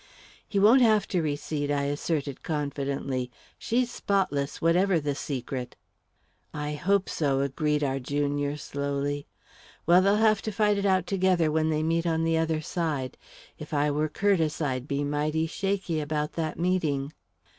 "He won't have to recede," I asserted confidently. "She's spotless, whatever the secret." "I hope so," agreed our junior slowly. "Well, they'll have to fight it out together when they meet on the other side. If I were Curtiss, I'd be mighty shaky about that meeting."